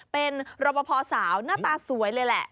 เป็นรบพอสาวหน้าตาสวยเลยแหละ